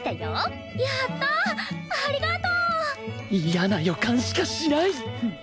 嫌な予感しかしない！